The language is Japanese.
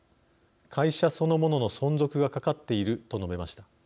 会社そのものの存続がかかっている」と述べました。